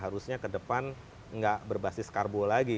harusnya ke depan nggak berbasis karbo lagi